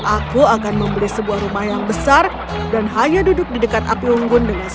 aku akan membeli sebuah rumah yang besar dan hanya duduk di dekat api unggun dengan